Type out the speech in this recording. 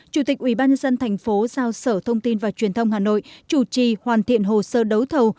chủ tịch ubnd tp giao sở thông tin và truyền thông hà nội chủ trì hoàn thiện hồ sơ đấu thầu